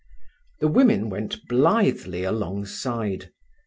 The women went blithely alongside.